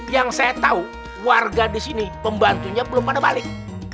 yang saya tahu warga di sini pembantunya belum pada balik